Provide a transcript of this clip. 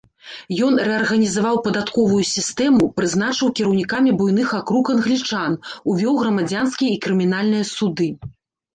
Ён рэарганізаваў падатковую сістэму, прызначыў кіраўнікамі буйных акруг англічан, увёў грамадзянскія і крымінальныя суды.